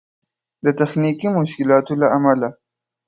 د تخنيکي مشکلاتو له امله